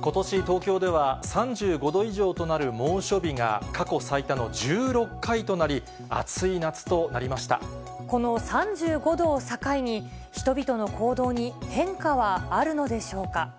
ことし、東京では３５度以上となる猛暑日が過去最多の１６回となり、この３５度を境に、人々の行動に変化はあるのでしょうか。